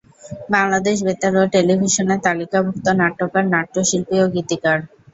বাংলাদেশ বেতার ও টেলিভিশনের তালিকাভুক্ত নাট্যকার-নাট্যশিল্পী ও গীতিকার।